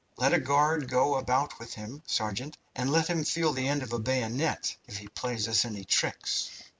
Let a guard go about with him, sergeant, and let him feel the end of a bayonet if he plays us any tricks."